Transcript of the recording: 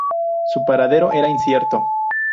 Su paradero era incierto.